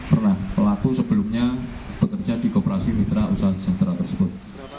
pernah pelaku sebelumnya bekerja di kooperasi mitra usaha sejahtera tersebut